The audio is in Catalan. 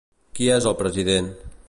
Qui és el president?